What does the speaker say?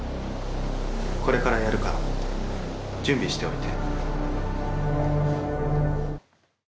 これからやるから準備しておいて。